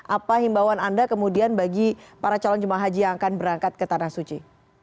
apa himbauan anda kemudian bagi para calon jemaah haji yang akan berangkat ke tanah suci